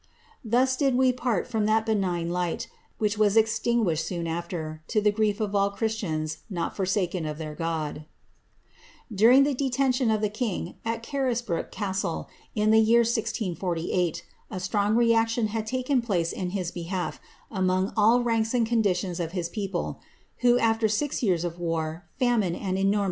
Thus did we part from that benign light, which was eztinguiilteti soon after, to the grief of all Christians not forsaken of their God." * During the detention of the king at Csrisbrooke castle, in the jeu 1048, a strong reaction had taken place in his behalf, among all laoki and conditions of his people, who, after six years of war, uimioe, and *Lady Fanshawe's Memoirs. HSNRIETTA MARIA.